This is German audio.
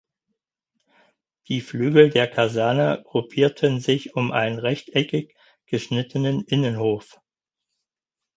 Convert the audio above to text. Die Flügel der Kaserne gruppierten sich um einen rechteckig geschnittenen Innenhof.